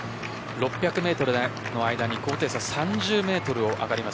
６００メートルの間に高低差３０メートルを上がります。